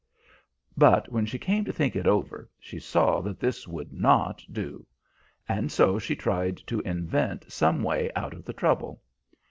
"But when she came to think it over, she saw that this would not do, and so she tried to invent some way out of the trouble.